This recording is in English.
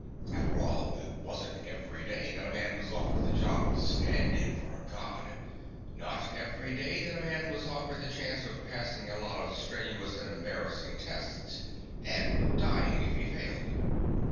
After all, it wasn't every day that a man was offered the job of stand in for a God, not every day that a man was offered the chance of passing a lot of strenuous and embarrassing tests, and dying if he failed.